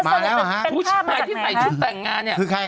มาแล้วหรือเป็นผ้ามาจากไหนนะฮะคือใครครับ